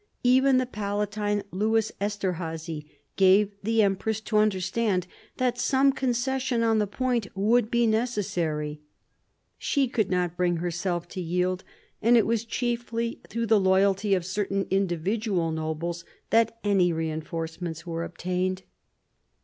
Even the Palatine Louis Esterhazy gave the empress to understand that some concession on the point would be necessary. She could not bring herself to yield ; and it was chiefly through the loyalty of certain individual nobles that any reinforcements were obtained.